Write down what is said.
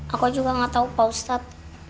aku juga gak tahu pak ustadz